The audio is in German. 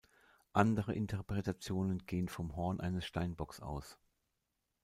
Andere Interpretationen gehen vom Horn eines Steinbocks aus.